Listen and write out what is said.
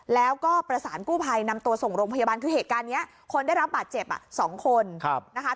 แล้วก็ประสานกู้ภัยนำตัวส่งโรงพยาบาลคือเหตุการณ์นี้คนได้รับบาดเจ็บ๒คนนะคะ